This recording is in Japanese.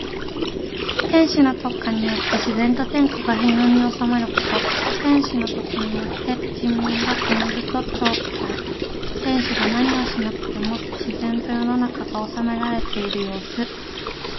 天子の徳化によって自然と天下が平穏に収まること。天子の徳によって人民がおのずと教化されて、天子が何をしなくても自然と世の中が治められているようす。